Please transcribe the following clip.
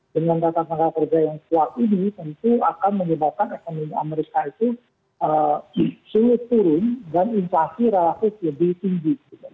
dengan data tenaga kerja yang kuat ini tentu akan menyebabkan ekonomi amerika itu sulit turun dan inflasi relatif lebih tinggi